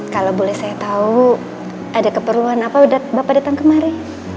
kalau boleh saya tahu ada keperluan apa udah bapak datang kemari